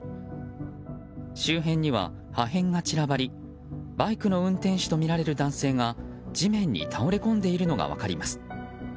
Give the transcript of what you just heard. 周辺には破片が散らばりバイクの運転手とみられる男性が地面に倒れ込んでいるのが分かります。